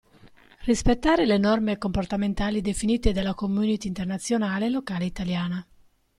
Rispettare le norme comportamentali definite dalla community Internazionale e locale italiana.